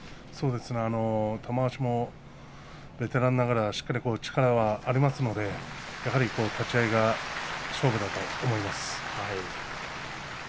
玉鷲もベテランながら力はしっかりありますのでやはり立ち合いが勝負だと思います。